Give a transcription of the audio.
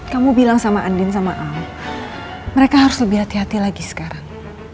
kamu bilang sama andin sama al mereka harus lebih hati hati lagi sekarang